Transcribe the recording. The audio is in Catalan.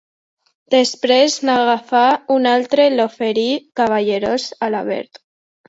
Després, n'agafà un altre i l'oferí, cavallerós, a la Bet.